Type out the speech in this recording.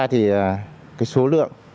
thì số lượng